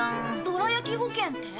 ドラ焼き保険って？